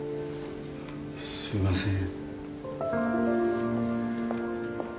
すいません